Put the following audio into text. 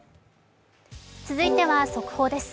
続いては速報です。